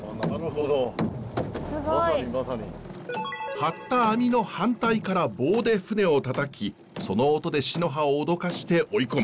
張った網の反対から棒で船を叩きその音でシノハを脅かして追い込む。